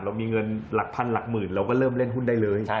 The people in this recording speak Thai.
เรามีเงินหลักพันหลักหมื่นเราก็เริ่มเล่นหุ้นได้เลย